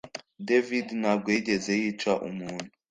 David ntabwo yigeze yica umuntu